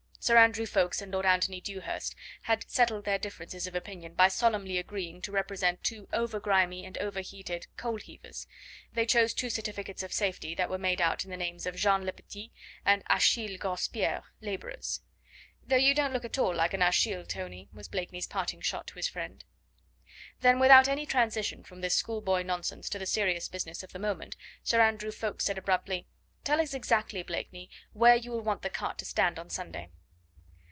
Sir Andrew Ffoulkes and Lord Anthony Dewhurst had settled their differences of opinion by solemnly agreeing to represent two over grimy and overheated coal heavers. They chose two certificates of safety that were made out in the names of Jean Lepetit and Achille Grospierre, labourers. "Though you don't look at all like an Achille, Tony," was Blakeney's parting shot to his friend. Then without any transition from this schoolboy nonsense to the serious business of the moment, Sir Andrew Ffoulkes said abruptly: "Tell us exactly, Blakeney, where you will want the cart to stand on Sunday."